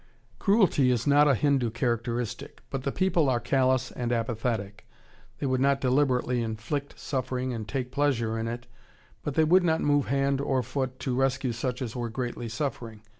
Cruelty is not a Hindu characteristic.... But the people are callous and apathetic. They would not deliberately inflict suffering and take pleasure in it, but they would not move hand or foot to rescue such as were greatly suffering....